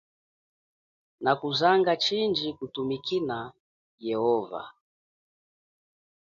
Nakuzanga chindji kutumikina yehova.